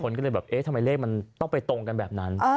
ก็เลยแบบเอ๊ะทำไมเลขมันต้องไปตรงกันแบบนั้น